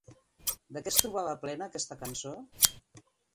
De què es trobava plena aquesta cançó?